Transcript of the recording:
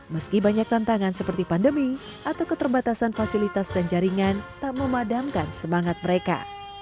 meski banyak tantangan seperti pandemi atau keterbatasan fasilitas dan jaringan tak memadamkan semangat mereka